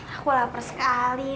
aku lapar sekali ini